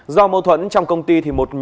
do mâu thuẫn trong công ty